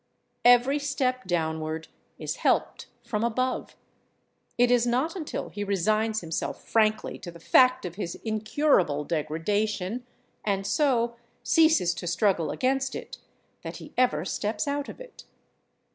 Every step downward is helped from above. It is not until he resigns himself frankly to the fact of his incurable degradation, and so ceases to struggle against it, that he ever steps out of it.